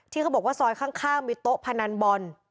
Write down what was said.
ที่เขาบอกว่าซอยข้างข้ามมีโต๊ะพนันบ่อน